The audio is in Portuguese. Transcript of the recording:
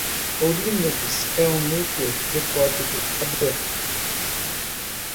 O Linux é um núcleo de código aberto.